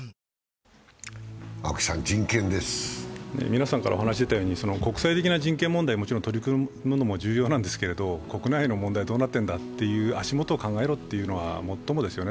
皆さんからお話出たように、国際的な人権問題にもちろん取り組むのも重要なんですけど、国内の問題、どうなってんだという足元を考えろというのはもっともですよね。